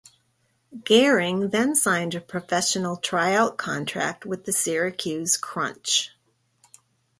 Goehring then signed a professional tryout contract with the Syracuse Crunch.